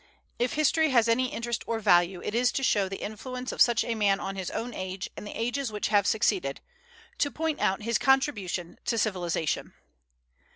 If history has any interest or value, it is to show the influence of such a man on his own age and the ages which have succeeded, to point out his contribution to civilization.